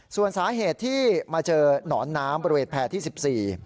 ส่วนสาเหตุที่มาเจอหนอนน้ำบริเวณแพร่ที่๑๔